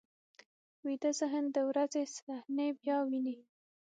ویده ذهن د ورځې صحنې بیا ویني